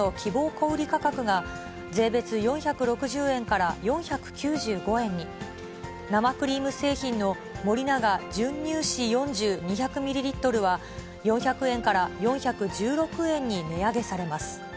小売り価格が、税別４６０円から４９５円に、生クリーム製品の森永純乳脂４０、２００ミリリットルは４００円から４１６円に値上げされます。